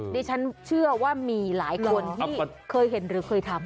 ดิฉันเชื่อว่ามีหลายคนที่เคยเห็นหรือเคยทำ